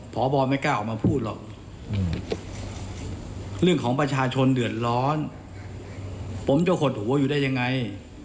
ผมจะหดหัวอยู่ได้อย่างไร